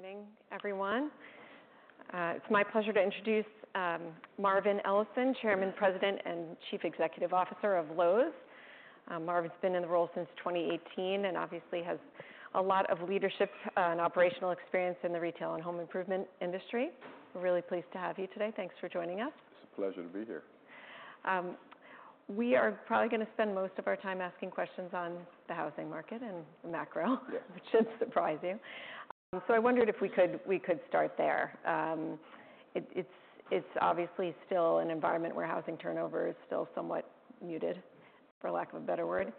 Good morning, everyone. It's my pleasure to introduce Marvin Ellison, Chairman, President, and Chief Executive Officer of Lowe's. Marvin's been in the role since 2018, and obviously has a lot of leadership and operational experience in the retail and home improvement industry. We're really pleased to have you today. Thanks for joining us. It's a pleasure to be here. We are probably gonna spend most of our time asking questions on the housing market and the macro- Yeah. - which should surprise you. So I wondered if we could start there. It's obviously still an environment where housing turnover is still somewhat muted, for lack of a better word.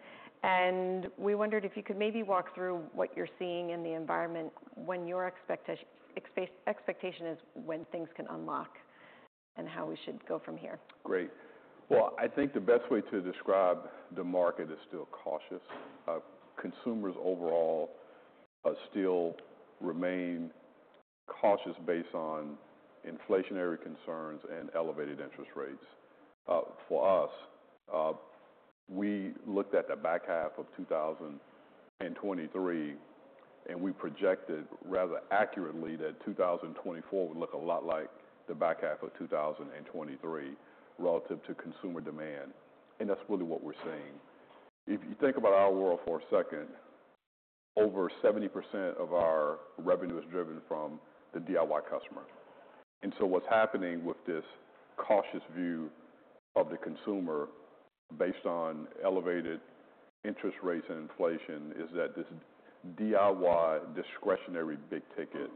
And we wondered if you could maybe walk through what you're seeing in the environment, when your expectation is when things can unlock, and how we should go from here. Great. Well, I think the best way to describe the market is still cautious. Consumers overall still remain cautious based on inflationary concerns and elevated interest rates. For us, we looked at the back half of two thousand and twenty-three, and we projected rather accurately, that two thousand and twenty-four would look a lot like the back half of two thousand and twenty-three, relative to consumer demand, and that's really what we're seeing. If you think about our world for a second, over 70% of our revenue is driven from the DIY customer. And so what's happening with this cautious view of the consumer, based on elevated interest rates and inflation, is that this DIY discretionary big ticket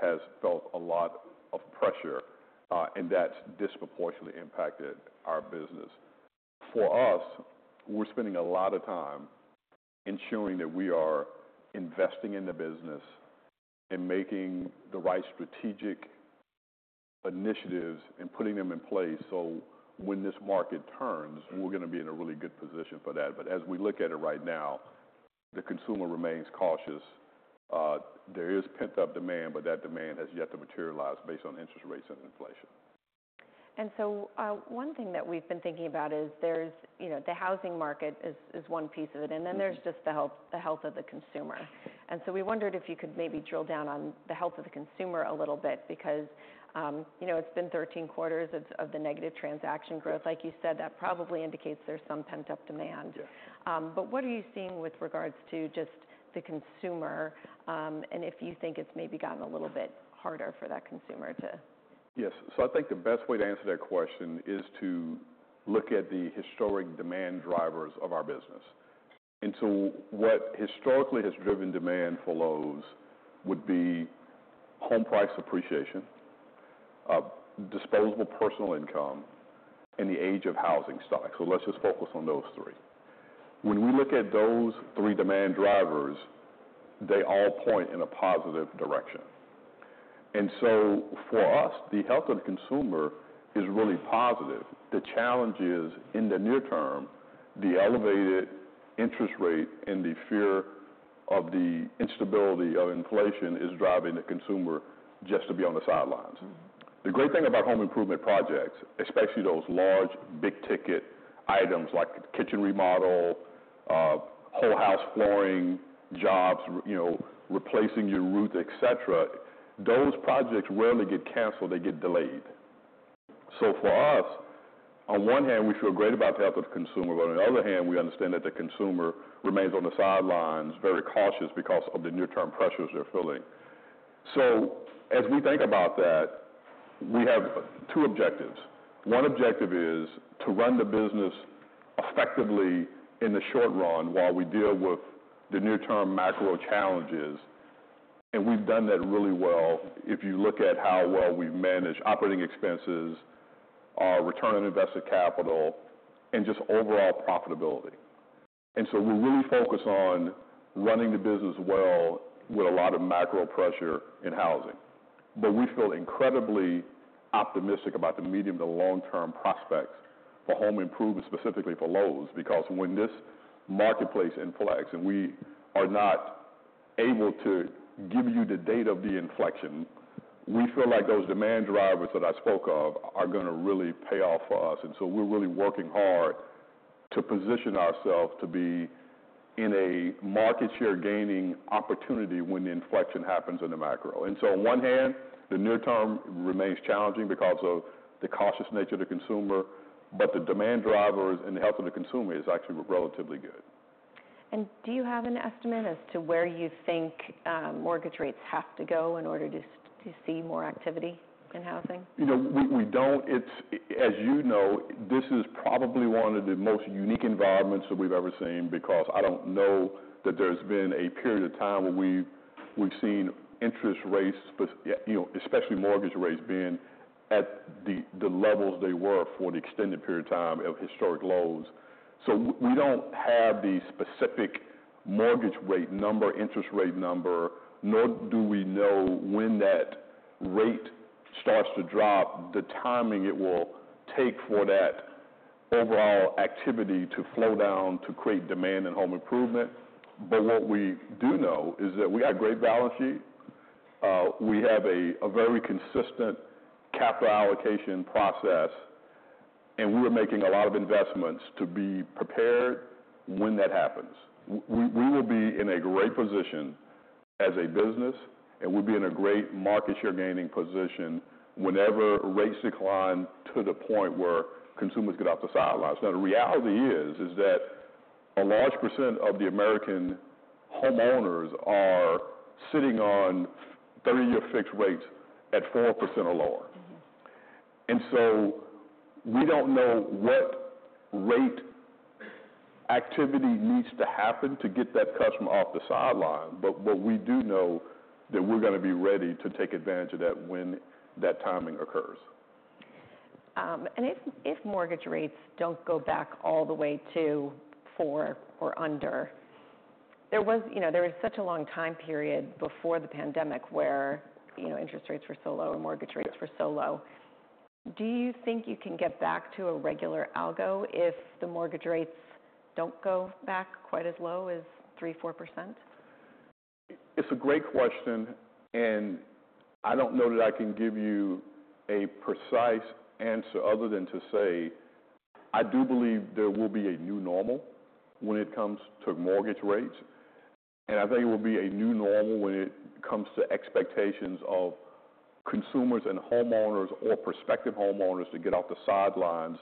has felt a lot of pressure, and that's disproportionately impacted our business. For us, we're spending a lot of time ensuring that we are investing in the business and making the right strategic initiatives and putting them in place, so when this market turns, we're gonna be in a really good position for that. But as we look at it right now, the consumer remains cautious. There is pent-up demand, but that demand has yet to materialize based on interest rates and inflation. And so, one thing that we've been thinking about is there's, you know, the housing market is one piece of it- Mm-hmm. And then there's just the health, the health of the consumer. And so we wondered if you could maybe drill down on the health of the consumer a little bit because, you know, it's been thirteen quarters of the negative transaction growth. Like you said, that probably indicates there's some pent-up demand. Yeah. But what are you seeing with regards to just the consumer? And if you think it's maybe gotten a little bit harder for that consumer to... Yes. So I think the best way to answer that question is to look at the historic demand drivers of our business. And so what historically has driven demand for Lowe's would be home price appreciation, disposable personal income, and the age of housing stock. So let's just focus on those three. When we look at those three demand drivers, they all point in a positive direction. And so for us, the health of the consumer is really positive. The challenge is, in the near term, the elevated interest rate and the fear of the instability of inflation is driving the consumer just to be on the sidelines. Mm-hmm. The great thing about home improvement projects, especially those large, big-ticket items like a kitchen remodel, whole house flooring jobs, you know, replacing your roof, et cetera, those projects rarely get canceled, they get delayed. So for us, on one hand, we feel great about the health of the consumer, but on the other hand, we understand that the consumer remains on the sidelines, very cautious because of the near-term pressures they're feeling. So as we think about that, we have two objectives. One objective is to run the business effectively in the short run while we deal with the near-term macro challenges, and we've done that really well if you look at how well we've managed operating expenses, our return on invested capital, and just overall profitability. And so we're really focused on running the business well with a lot of macro pressure in housing. But we feel incredibly optimistic about the medium to long-term prospects for home improvement, specifically for Lowe's, because when this marketplace inflects, and we are not able to give you the date of the inflection, we feel like those demand drivers that I spoke of are gonna really pay off for us. And so we're really working hard to position ourselves to be in a market share gaining opportunity when the inflection happens in the macro. And so on one hand, the near term remains challenging because of the cautious nature of the consumer, but the demand drivers and the health of the consumer is actually relatively good. Do you have an estimate as to where you think mortgage rates have to go in order to see more activity in housing? You know, we don't. It's. As you know, this is probably one of the most unique environments that we've ever seen, because I don't know that there's been a period of time where we've seen interest rates, you know, especially mortgage rates, being at the levels they were for an extended period of time at historic lows. So we don't have the specific mortgage rate number, interest rate number, nor do we know when that rate starts to drop, the timing it will take for that overall activity to flow down to create demand in home improvement. But what we do know is that we've got a great balance sheet. We have a very consistent capital allocation process and we're making a lot of investments to be prepared when that happens. We will be in a great position as a business, and we'll be in a great market share gaining position whenever rates decline to the point where consumers get off the sidelines. Now, the reality is that a large % of the American homeowners are sitting on thirty-year fixed rates at 4% or lower. Mm-hmm. And so we don't know what rate activity needs to happen to get that customer off the sideline, but what we do know, that we're gonna be ready to take advantage of that when that timing occurs. and if mortgage rates don't go back all the way to four or under, you know, there was such a long time period before the pandemic where, you know, interest rates were so low and mortgage rates. Yeah were so low. Do you think you can get back to a regular algo if the mortgage rates don't go back quite as low as 3%-4%? It's a great question, and I don't know that I can give you a precise answer other than to say, I do believe there will be a new normal when it comes to mortgage rates. And I think it will be a new normal when it comes to expectations of consumers and homeowners or prospective homeowners to get off the sidelines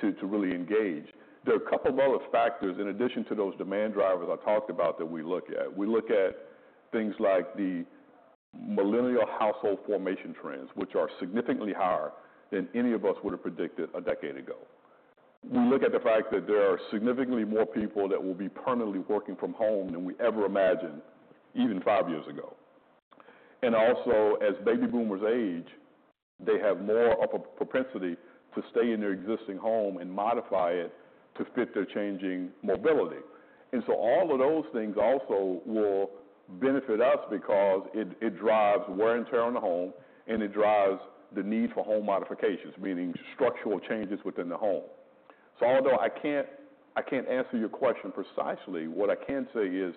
to, to really engage. There are a couple of other factors in addition to those demand drivers I talked about that we look at. We look at things like the millennial household formation trends, which are significantly higher than any of us would have predicted a decade ago. We look at the fact that there are significantly more people that will be permanently working from home than we ever imagined, even five years ago. And also, as Baby Boomers age, they have more of a propensity to stay in their existing home and modify it to fit their changing mobility. And so all of those things also will benefit us because it drives wear and tear on the home, and it drives the need for home modifications, meaning structural changes within the home. So although I can't answer your question precisely, what I can say is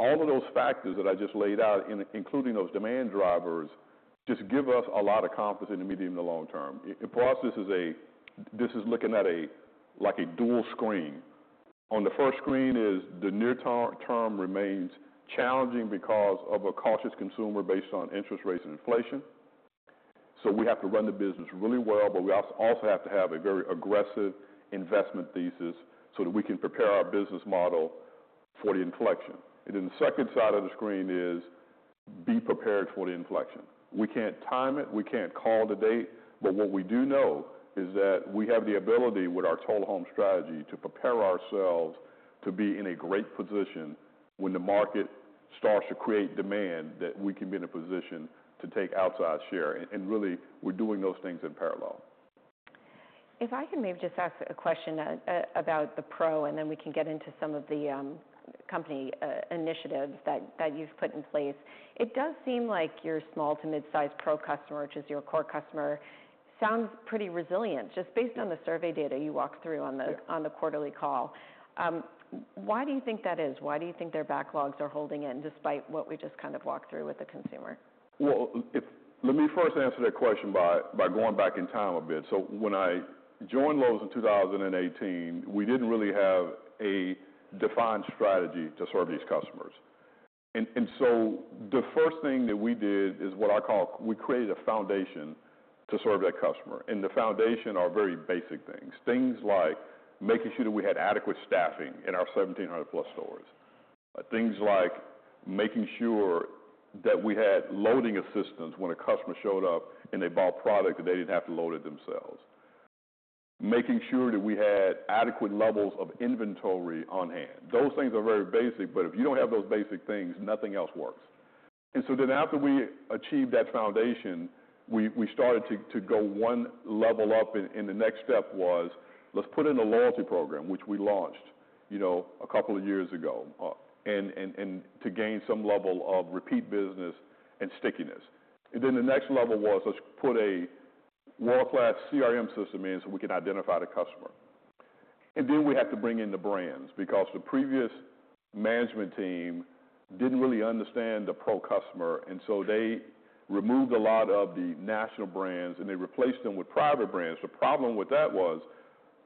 all of those factors that I just laid out, including those demand drivers, just give us a lot of confidence in the medium to long term. For us, this is looking at a, like, a dual screen. On the first screen is the near term remains challenging because of a cautious consumer based on interest rates and inflation. So we have to run the business really well, but we also have to have a very aggressive investment thesis so that we can prepare our business model for the inflection. And then the second side of the screen is, be prepared for the inflection. We can't time it, we can't call the date, but what we do know is that we have the ability with our Total Home strategy, to prepare ourselves to be in a great position when the market starts to create demand, that we can be in a position to take outside share. And really, we're doing those things in parallel. If I can maybe just ask a question about the pro, and then we can get into some of the company initiatives that you've put in place. It does seem like your small to mid-sized pro customer, which is your core customer, sounds pretty resilient, just based on the survey data you walked through on the- Sure... on the quarterly call. Why do you think that is? Why do you think their backlogs are holding in, despite what we just kind of walked through with the consumer? Let me first answer that question by going back in time a bit. When I joined Lowe's in two thousand and eighteen, we didn't really have a defined strategy to serve these customers. The first thing that we did is what I call, we created a foundation to serve that customer, and the foundation are very basic things. Things like making sure that we had adequate staffing in our 1,700-plus stores. Things like making sure that we had loading assistants when a customer showed up, and they bought product, that they didn't have to load it themselves. Making sure that we had adequate levels of inventory on hand. Those things are very basic, but if you don't have those basic things, nothing else works. And so then after we achieved that foundation, we started to go one level up, and the next step was, let's put in a loyalty program, which we launched, you know, a couple of years ago, and to gain some level of repeat business and stickiness. And then the next level was, let's put a world-class CRM system in, so we can identify the customer. And then we had to bring in the brands, because the previous management team didn't really understand the pro customer, and so they removed a lot of the national brands, and they replaced them with private brands. The problem with that was,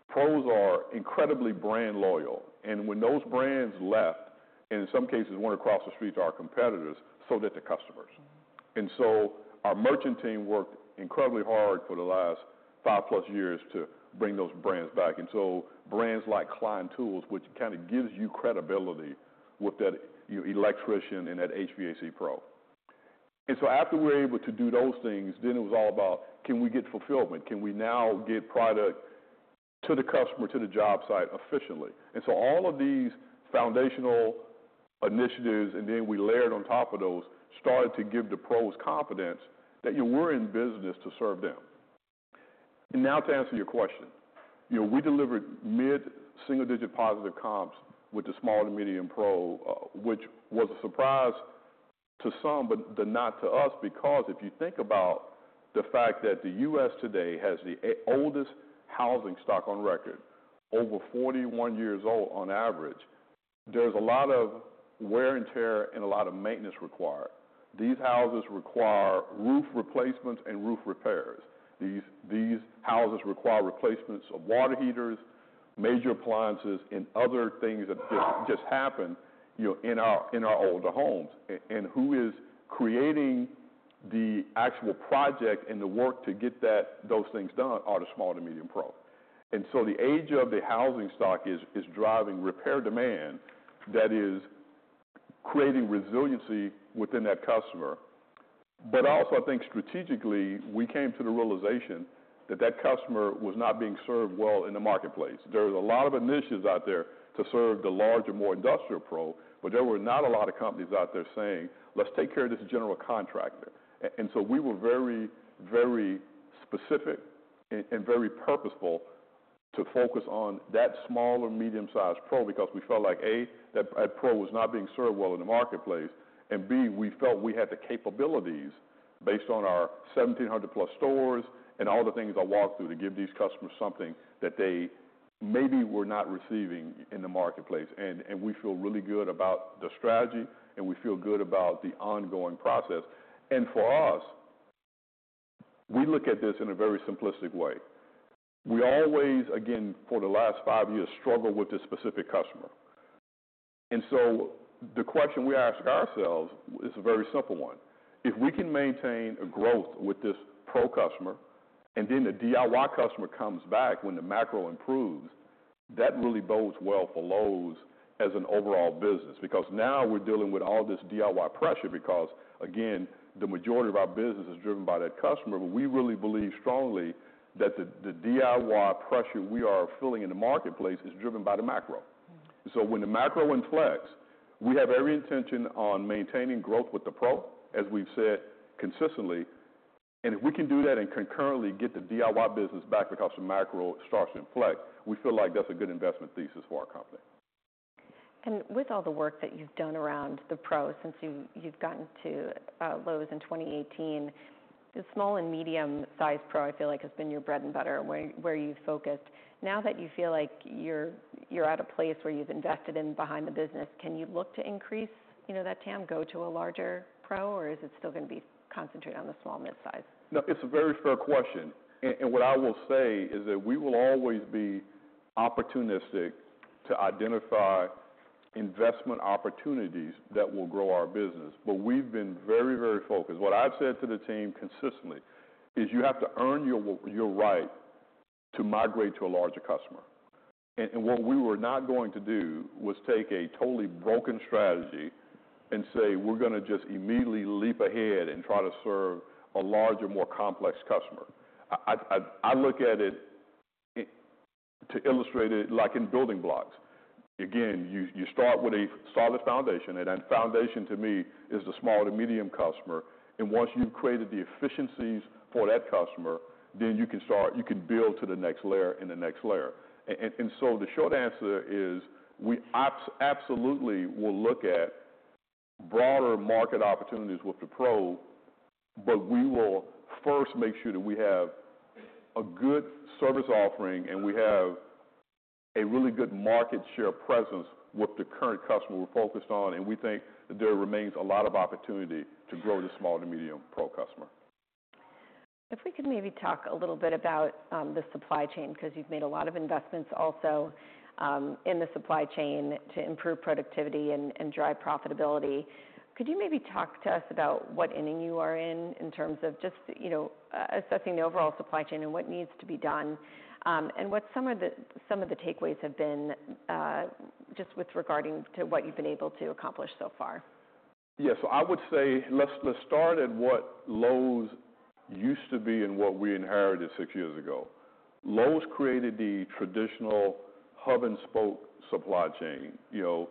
pros are incredibly brand loyal, and when those brands left, in some cases, went across the street to our competitors, so did the customers. Mm. And so our merchant team worked incredibly hard for the last five plus years to bring those brands back. And so brands like Klein Tools, which kind of gives you credibility with that, your electrician and that HVAC pro. And so after we were able to do those things, then it was all about, can we get fulfillment? Can we now get product to the customer, to the job site efficiently? And so all of these foundational initiatives, and then we layered on top of those, started to give the pros confidence that you were in business to serve them. And now to answer your question, you know, we delivered mid-single-digit positive comps with the small to medium pro, which was a surprise to some, but not to us. Because if you think about the fact that the U.S. today has the oldest housing stock on record, over 41 years old on average, there's a lot of wear and tear and a lot of maintenance required. These houses require roof replacements and roof repairs. These houses require replacements of water heaters, major appliances, and other things that just happen, you know, in our older homes. And who is creating the actual project and the work to get that, those things done are the small to medium pro. And so the age of the housing stock is driving repair demand that is creating resiliency within that customer. But also, I think strategically, we came to the realization that that customer was not being served well in the marketplace. There's a lot of initiatives out there to serve the larger, more industrial pro, but there were not a lot of companies out there saying, "Let's take care of this general contractor," and so we were very, very specific and very purposeful to focus on that small or medium-sized pro, because we felt like, A, that pro was not being served well in the marketplace, and B, we felt we had the capabilities, based on our 1,700-plus stores and all the things I walked through, to give these customers something that they maybe were not receiving in the marketplace, and we feel really good about the strategy, and we feel good about the ongoing process, and for us, we look at this in a very simplistic way. We always, again, for the last five years, struggled with this specific customer. And so the question we ask ourselves is a very simple one: If we can maintain a growth with this pro customer, and then the DIY customer comes back when the macro improves, that really bodes well for Lowe's as an overall business. Because now we're dealing with all this DIY pressure, because, again, the majority of our business is driven by that customer, but we really believe strongly that the DIY pressure we are feeling in the marketplace is driven by the macro. Mm. So when the macro inflects, we have every intention on maintaining growth with the Pro, as we've said consistently, and if we can do that and concurrently get the DIY business back because the macro starts to inflect, we feel like that's a good investment thesis for our company. With all the work that you've done around the pros, since you've gotten to Lowe's in 2018, the small and medium-sized pro, I feel like, has been your bread and butter, where you've focused. Now that you feel like you're at a place where you've invested behind the business, can you look to increase, you know, that TAM, go to a larger pro, or is it still gonna be concentrated on the small and midsize? No, it's a very fair question. And what I will say is that we will always be opportunistic to identify investment opportunities that will grow our business, but we've been very, very focused. What I've said to the team consistently is: You have to earn your right to migrate to a larger customer. And what we were not going to do was take a totally broken strategy and say, "We're gonna just immediately leap ahead and try to serve a larger, more complex customer." I look at it, to illustrate it, like in building blocks. Again, you start with a solid foundation, and that foundation, to me, is the small to medium customer. And once you've created the efficiencies for that customer, then you can start, you can build to the next layer and the next layer. And so the short answer is, we absolutely will look at broader market opportunities with the pro, but we will first make sure that we have a good service offering and we have a really good market share presence with the current customer we're focused on, and we think that there remains a lot of opportunity to grow the small to medium pro customer. If we could maybe talk a little bit about the supply chain, because you've made a lot of investments also in the supply chain to improve productivity and drive profitability. Could you maybe talk to us about what inning you are in terms of just, you know, assessing the overall supply- Sure... chain and what needs to be done, and what some of the takeaways have been, just with regard to what you've been able to accomplish so far? Yes. So I would say let's start at what Lowe's used to be and what we inherited six years ago. Lowe's created the traditional hub-and-spoke supply chain. You know,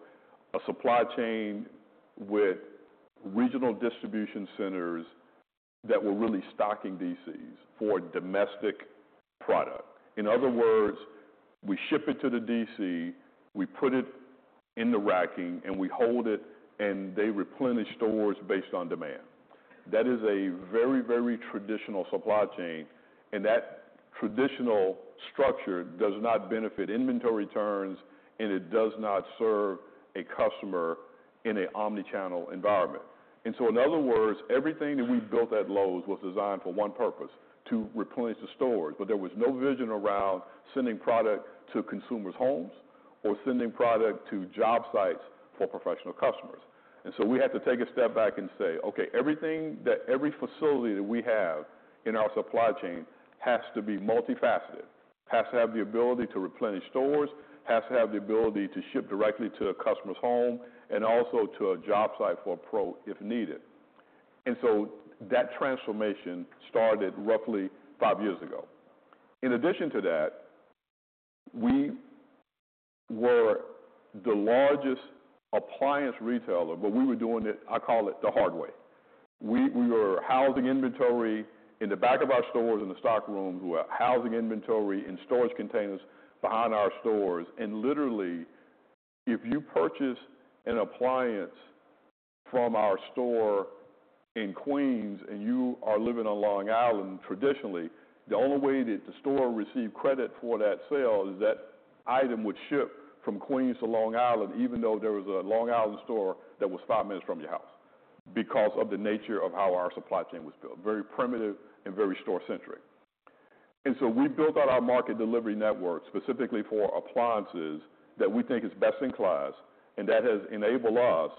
a supply chain with regional distribution centers that were really stocking DCs for domestic product. In other words, we ship it to the DC, we put it in the racking, and we hold it, and they replenish stores based on demand. That is a very, very traditional supply chain, and that traditional structure does not benefit inventory turns, and it does not serve a customer in a omni-channel environment. And so in other words, everything that we've built at Lowe's was designed for one purpose: to replenish the stores. But there was no vision around sending product to consumers' homes or sending product to job sites for professional customers. And so we had to take a step back and say: Okay, every facility that we have in our supply chain has to be multifaceted, has to have the ability to replenish stores, has to have the ability to ship directly to a customer's home, and also to a job site for a pro, if needed. And so that transformation started roughly five years ago. In addition to that, we were the largest appliance retailer, but we were doing it, I call it, the hard way. We were housing inventory in the back of our stores, in the stock room. We were housing inventory in storage containers behind our stores, and literally, if you purchased an appliance... From our store in Queens, and you are living on Long Island, traditionally, the only way that the store received credit for that sale is that item would ship from Queens to Long Island, even though there was a Long Island store that was five minutes from your house, because of the nature of how our supply chain was built, very primitive and very store-centric. And so we built out our market delivery network specifically for appliances that we think is best in class, and that has enabled us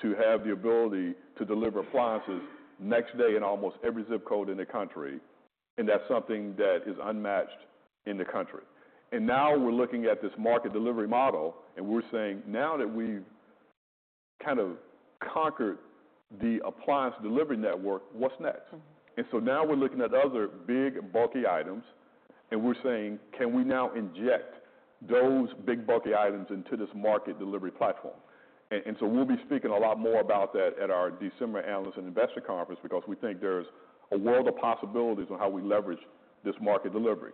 to have the ability to deliver appliances next day in almost every zip code in the country, and that's something that is unmatched in the country. And now we're looking at this market delivery model, and we're saying, now that we've kind of conquered the appliance delivery network, what's next? Now we're looking at other big, bulky items, and we're saying, "Can we now inject those big, bulky items into this market delivery platform?" We'll be speaking a lot more about that at our December Analyst and Investor Conference because we think there's a world of possibilities on how we leverage this market delivery.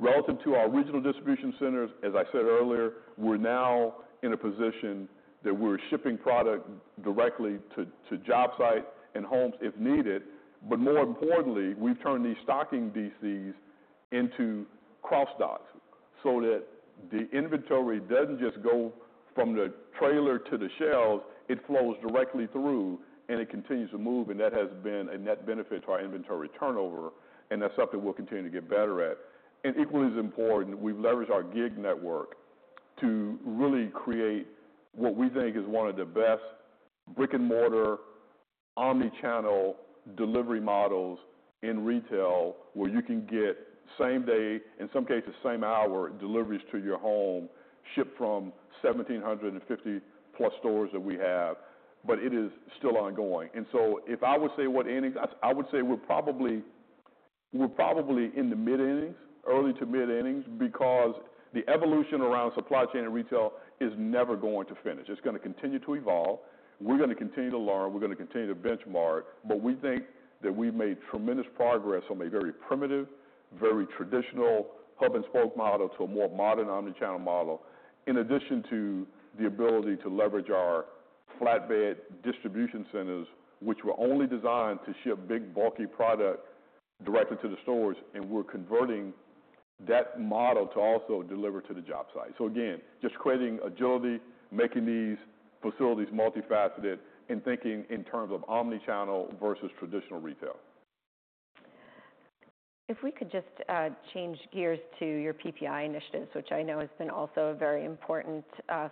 Relative to our regional distribution centers, as I said earlier, we're now in a position that we're shipping product directly to job site and homes, if needed. More importantly, we've turned these stocking DCs into cross docks so that the inventory doesn't just go from the trailer to the shelves, it flows directly through, and it continues to move, and that has been a net benefit to our inventory turnover, and that's something we'll continue to get better at. And equally as important, we've leveraged our gig network to really create what we think is one of the best brick-and-mortar, omni-channel delivery models in retail, where you can get same-day, in some cases, same-hour deliveries to your home, shipped from 1,750-plus stores that we have, but it is still ongoing. And so if I would say what innings, I, I would say we're probably, we're probably in the mid-innings, early to mid-innings, because the evolution around supply chain and retail is never going to finish. It's gonna continue to evolve. We're gonna continue to learn, we're gonna continue to benchmark, but we think that we've made tremendous progress from a very primitive, very traditional hub-and-spoke model to a more modern omni-channel model, in addition to the ability to leverage our flatbed distribution centers, which were only designed to ship big, bulky product directly to the stores, and we're converting that model to also deliver to the job site. So again, just creating agility, making these facilities multifaceted, and thinking in terms of omni-channel versus traditional retail. If we could just change gears to your PPI initiatives, which I know has been also a very important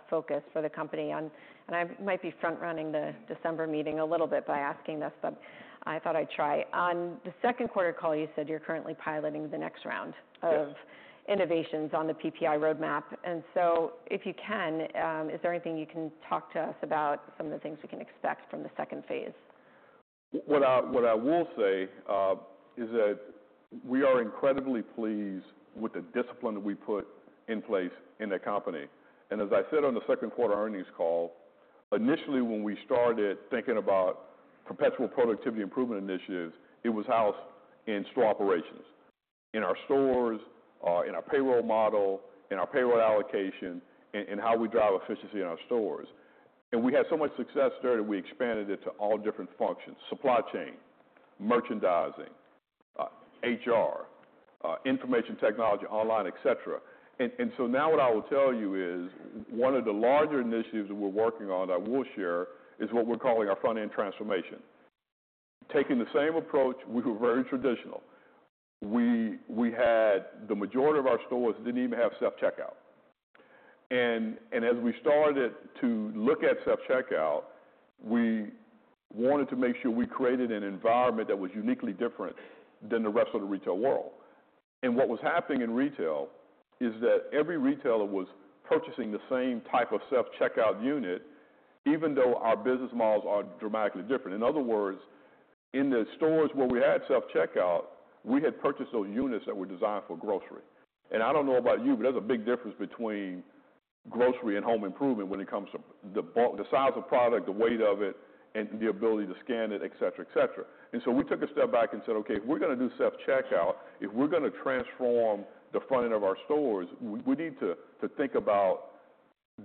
focus for the company. On. And I might be front-running the December meeting a little bit by asking this, but I thought I'd try. On the second quarter call, you said you're currently piloting the next round of- Yes... innovations on the PPI roadmap. And so if you can, is there anything you can talk to us about some of the things we can expect from the second phase? What I will say is that we are incredibly pleased with the discipline that we put in place in the company. And as I said on the second quarter earnings call, initially, when we started thinking about perpetual productivity improvement initiatives, it was housed in store operations, in our stores, in our payroll model, in our payroll allocation, in how we drive efficiency in our stores. And we had so much success there that we expanded it to all different functions: supply chain, merchandising, HR, information technology, online, et cetera. And so now what I will tell you is, one of the larger initiatives that we're working on, that I will share, is what we're calling our front-end transformation. Taking the same approach, we were very traditional. We had the majority of our stores didn't even have self-checkout. As we started to look at self-checkout, we wanted to make sure we created an environment that was uniquely different than the rest of the retail world. What was happening in retail is that every retailer was purchasing the same type of self-checkout unit, even though our business models are dramatically different. In other words, in the stores where we had self-checkout, we had purchased those units that were designed for grocery. I don't know about you, but there's a big difference between grocery and home improvement when it comes to the size of product, the weight of it, and the ability to scan it, et cetera, et cetera. And so we took a step back and said, "Okay, if we're gonna do self-checkout, if we're gonna transform the front end of our stores, we need to think about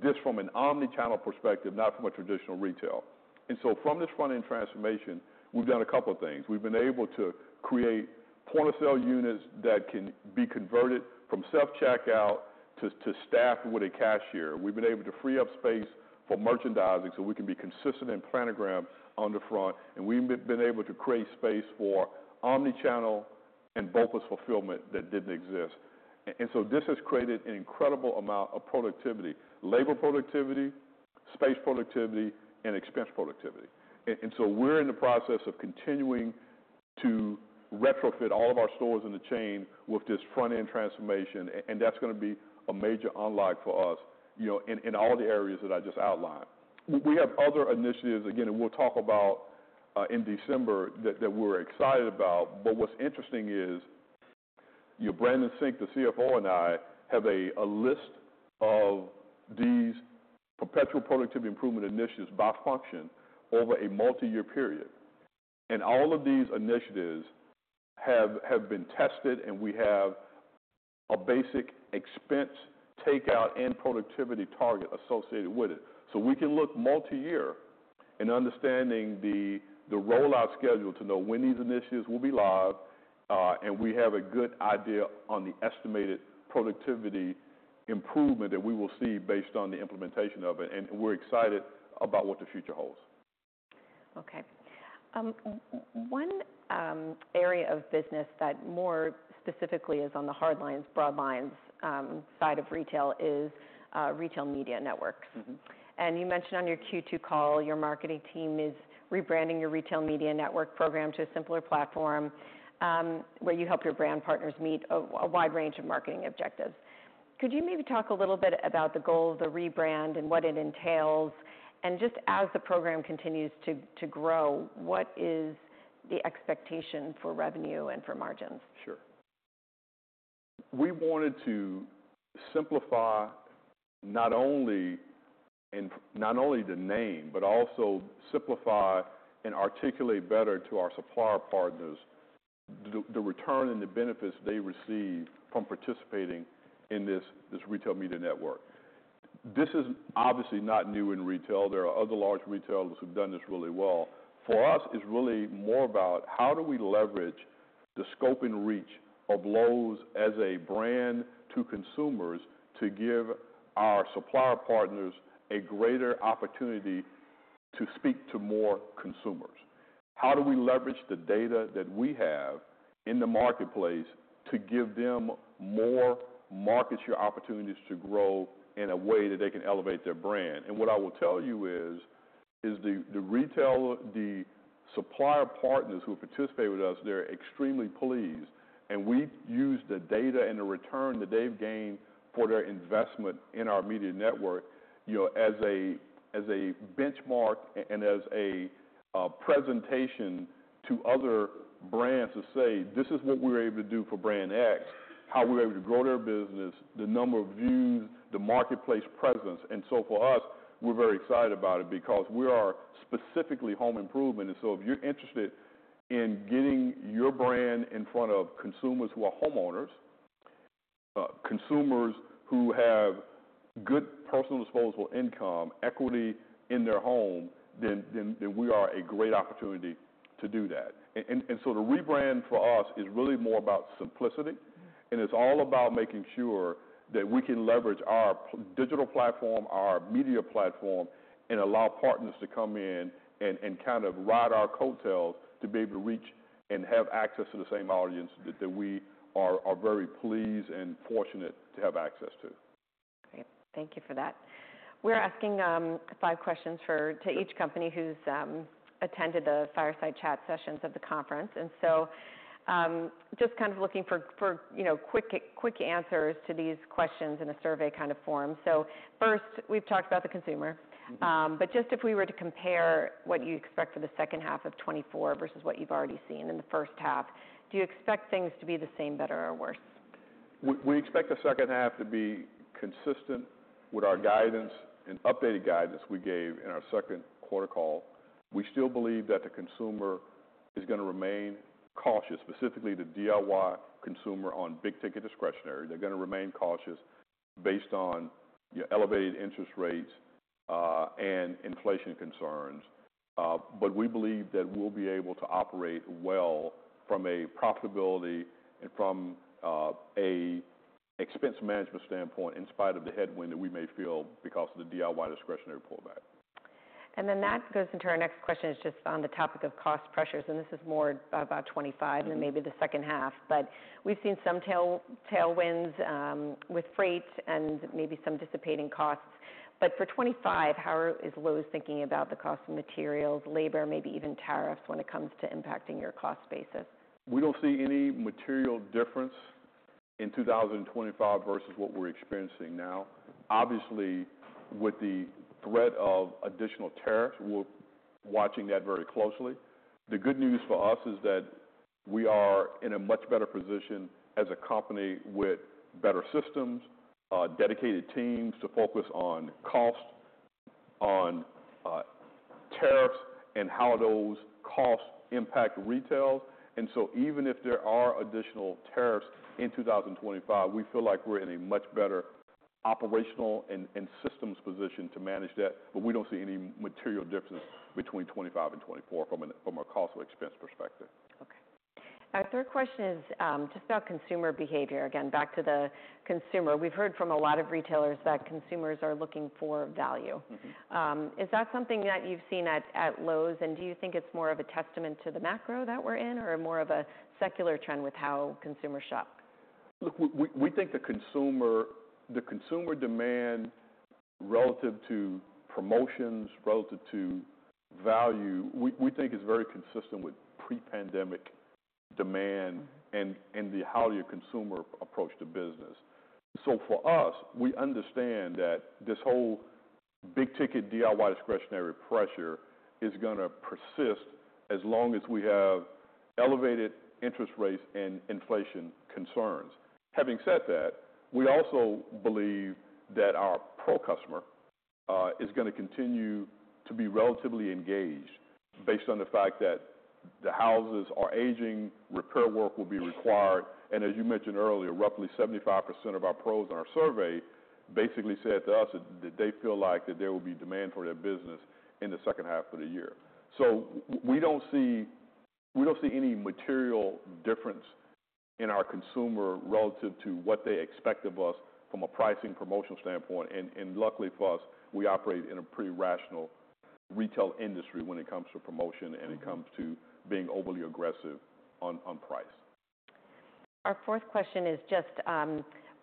this from an omni-channel perspective, not from a traditional retail." And so from this front-end transformation, we've done a couple of things. We've been able to create point-of-sale units that can be converted from self-checkout to staffed with a cashier. We've been able to free up space for merchandising, so we can be consistent in planogram on the front, and we've been able to create space for omni-channel and boundless fulfillment that didn't exist. And so this has created an incredible amount of productivity: labor productivity, space productivity, and expense productivity. So we're in the process of continuing to retrofit all of our stores in the chain with this front-end transformation, and that's gonna be a major unlock for us, you know, in all the areas that I just outlined. We have other initiatives, again, and we'll talk about in December, that we're excited about. But what's interesting is, you know, Brandon Sink, the CFO, and I have a list of these Perpetual Productivity Improvement initiatives by function over a multi-year period, and all of these initiatives have been tested, and we have a basic expense takeout and productivity target associated with it. So we can look multi-year in understanding the rollout schedule to know when these initiatives will be live, and we have a good idea on the estimated productivity improvement that we will see based on the implementation of it, and we're excited about what the future holds. Okay. One area of business that more specifically is on the hard lines, broad lines, side of retail is retail media networks. Mm-hmm. You mentioned on your Q2 call, your marketing team is rebranding your Retail Media Network program to a simpler platform, where you help your brand partners meet a wide range of marketing objectives. Could you maybe talk a little bit about the goals, the rebrand, and what it entails? Just as the program continues to grow, what is the expectation for revenue and for margins? Sure. We wanted to simplify not only the name, but also simplify and articulate better to our supplier partners the return and the benefits they receive from participating in this retail media network. This is obviously not new in retail. There are other large retailers who've done this really well. For us, it's really more about how do we leverage the scope and reach of Lowe's as a brand to consumers to give our supplier partners a greater opportunity to speak to more consumers? How do we leverage the data that we have in the marketplace to give them more market share opportunities to grow in a way that they can elevate their brand? And what I will tell you is the supplier partners who participate with us, they're extremely pleased, and we use the data and the return that they've gained for their investment in our media network, you know, as a presentation to other brands to say, "This is what we were able to do for brand X, how we're able to grow their business, the number of views, the marketplace presence." And so for us, we're very excited about it because we are specifically home improvement, and so if you're interested in getting your brand in front of consumers who are homeowners, consumers who have good personal disposable income, equity in their home, then we are a great opportunity to do that. And so the rebrand for us is really more about simplicity- Mm-hmm. and it's all about making sure that we can leverage our digital platform, our media platform, and allow partners to come in and kind of ride our coattails to be able to reach and have access to the same audience that we are very pleased and fortunate to have access to. Great. Thank you for that. We're asking five questions to each company. Mm-hmm... who's attended the fireside chat sessions of the conference, and so, just kind of looking for, you know, quick answers to these questions in a survey kind of form. So first, we've talked about the consumer- Mm-hmm... but just if we were to compare what you expect for the second half of 2024 versus what you've already seen in the first half, do you expect things to be the same, better, or worse? We expect the second half to be consistent with our guidance and updated guidance we gave in our second quarter call. We still believe that the consumer is gonna remain cautious, specifically the DIY consumer on big-ticket discretionary. They're gonna remain cautious based on, you know, elevated interest rates, and inflation concerns, but we believe that we'll be able to operate well from a profitability and from a expense management standpoint, in spite of the headwind that we may feel because of the DIY discretionary pullback. And then that goes into our next question, is just on the topic of cost pressures, and this is more about '25- Mm-hmm... than maybe the second half. But we've seen some tailwinds, with freight and maybe some dissipating costs. But for 2025, how is Lowe's thinking about the cost of materials, labor, maybe even tariffs, when it comes to impacting your cost basis? We don't see any material difference in 2025 versus what we're experiencing now. Obviously, with the threat of additional tariffs, we're watching that very closely. The good news for us is that we are in a much better position as a company with better systems, dedicated teams to focus on cost, on, tariffs, and how those costs impact retail. And so even if there are additional tariffs in 2025, we feel like we're in a much better operational and systems position to manage that, but we don't see any material difference between 2025 and 2024 from a cost or expense perspective. Okay. Our third question is, just about consumer behavior. Again, back to the consumer. We've heard from a lot of retailers that consumers are looking for value. Mm-hmm. Is that something that you've seen at Lowe's, and do you think it's more of a testament to the macro that we're in, or more of a secular trend with how consumers shop? Look, we think the consumer demand relative to promotions, relative to value, we think is very consistent with pre-pandemic demand and the how your consumer approached the business. So for us, we understand that this whole big-ticket DIY discretionary pressure is gonna persist as long as we have elevated interest rates and inflation concerns. Having said that, we also believe that our pro customer is gonna continue to be relatively engaged based on the fact that the houses are aging, repair work will be required, and as you mentioned earlier, roughly 75% of our pros in our survey basically said to us that they feel like that there will be demand for their business in the second half of the year. So we don't see any material difference in our consumer relative to what they expect of us from a pricing promotional standpoint, and luckily for us, we operate in a pretty rational retail industry when it comes to promotion and it comes to being overly aggressive on price. Our fourth question is just,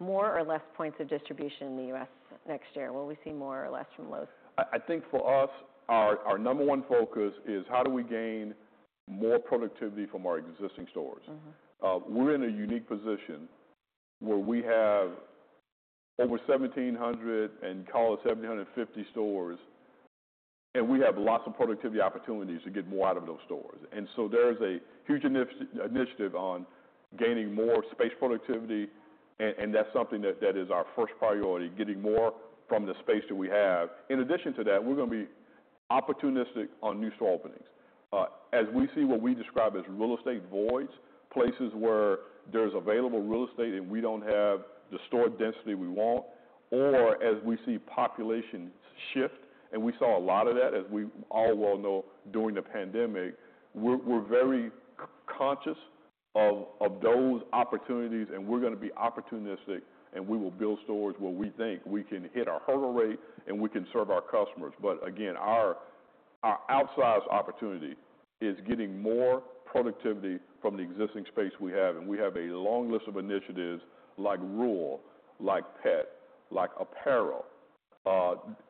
more or less points of distribution in the U.S. next year. Will we see more or less from Lowe's? I think for us, our number one focus is how do we gain more productivity from our existing stores? Mm-hmm. We're in a unique position where we have over 1,700 and call it 1,750 stores, and we have lots of productivity opportunities to get more out of those stores. And so there is a huge initiative on gaining more space productivity, and that's something that is our first priority, getting more from the space that we have. In addition to that, we're gonna be opportunistic on new store openings. As we see what we describe as real estate voids, places where there's available real estate and we don't have the store density we want, or as we see populations shift, and we saw a lot of that, as we all well know, during the pandemic, we're very conscious of those opportunities, and we're gonna be opportunistic, and we will build stores where we think we can hit our hurdle rate, and we can serve our customers. But again, our outsized opportunity is getting more productivity from the existing space we have, and we have a long list of initiatives like rural, like pet, like apparel,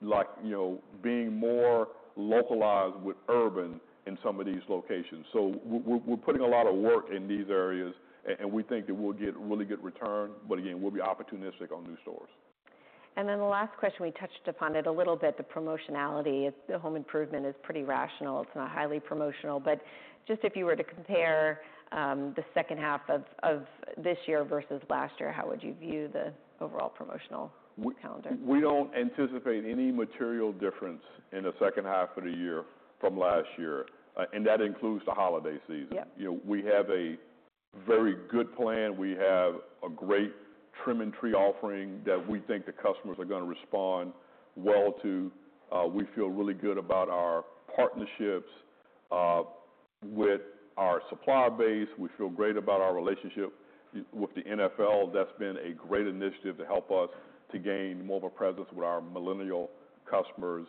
like, you know, being more localized with urban in some of these locations. So, we're putting a lot of work in these areas, and we think that we'll get really good return, but again, we'll be opportunistic on new stores. The last question, we touched upon it a little bit, the promotionality of the home improvement is pretty rational. It's not highly promotional, but just if you were to compare the second half of this year versus last year, how would you view the overall promotional calendar? We don't anticipate any material difference in the second half of the year from last year, and that includes the holiday season. Yep. You know, we have a very good plan. We have a great Trim-a-Tree offering that we think the customers are gonna respond well to. We feel really good about our partnerships with our supplier base. We feel great about our relationship with the NFL. That's been a great initiative to help us to gain more of a presence with our Millennial customers.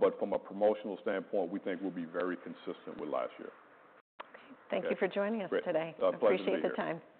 But from a promotional standpoint, we think we'll be very consistent with last year. Okay. Yeah. Thank you for joining us today. Great. It's a pleasure to be here. Appreciate the time.